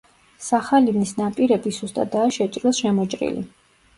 სახალინის ნაპირები სუსტადაა შეჭრილ-შემოჭრილი.